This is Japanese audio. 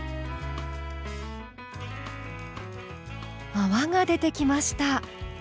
泡が出てきました。